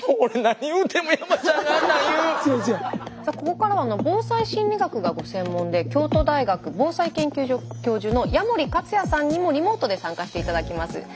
さあここからは防災心理学がご専門で京都大学防災研究所教授の矢守克也さんにもリモートで参加して頂きます。